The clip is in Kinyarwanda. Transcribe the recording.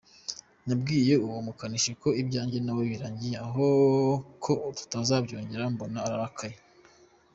Nabwiye uwo mukanishi ko ibyange nawe birangiriye aho ko tutazabyongera mbona ararakaye.